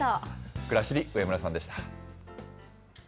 くらしり、上村さんでした。